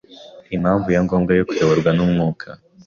Impamvu ya ngombwa yo kuyoborwa n’ Umwuka